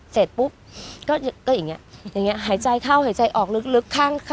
เสร็จปุ๊บก็อย่างนี้หายใจเข้าหายใจออกลึก